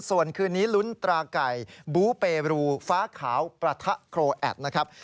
ส่วนคืนนี้ลุ้นตราไก่บูเปรูฟ้าขาวประทะโครแอดนะครับ